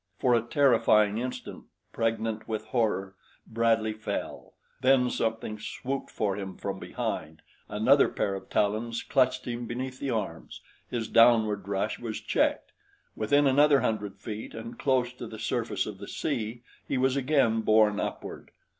For a terrifying instant, pregnant with horror, Bradley fell; then something swooped for him from behind, another pair of talons clutched him beneath the arms, his downward rush was checked, within another hundred feet, and close to the surface of the sea he was again borne upward.